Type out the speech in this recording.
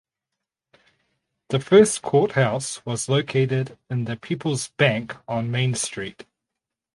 The first courthouse was located in the Peoples Bank on Main Street.